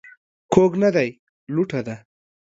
کوږ نه دى ، لوټه ده.